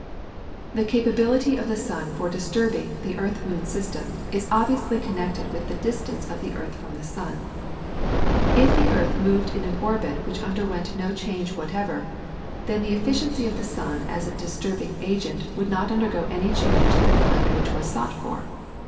The capability of the sun for disturbing the earth moon system is obviously connected with the distance of the earth from the sun. If the earth moved in an orbit which underwent no change whatever, then the efficiency of the sun as a disturbing agent would not undergo any change of the kind which was sought for.